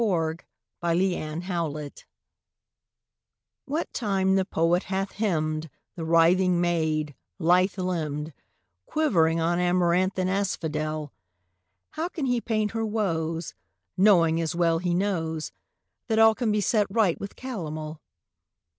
POETRY EVERYWHERE WHAT time the poet hath hymned The writhing maid, lithe limbed, Quivering on amaranthine asphodel, How can he paint her woes, Knowing, as well he knows, That all can be set right with calomel?